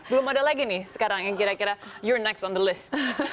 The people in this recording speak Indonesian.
belum ada lagi nih sekarang yang kira kira you next on the list